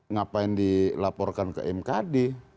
ngapain dilaporkan ke mkd